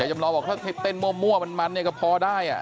เย้จำลองบอกถ้าเต้นมั่วมันมันก็พอได้